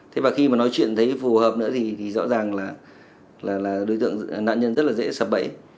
thế và khi mà nói chuyện thấy phù hợp nữa thì rõ ràng là đối tượng nạn nhân rất là dễ sập bẫy